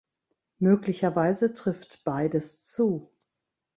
Möglicherweise trifft beides zu.